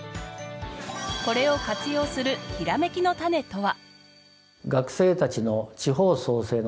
これを活用するヒラメキのタネとは。